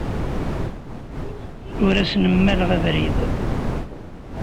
Ur asen-mmaleɣ abrid.